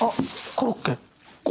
コロッケ！